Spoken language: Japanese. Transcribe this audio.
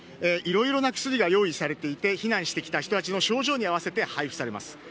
いろいろな薬が用意されていて避難してきた人たちの症状に合わせて配布されます。